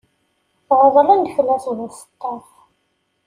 Ɣeḍlen-d fell-as buseṭṭaf.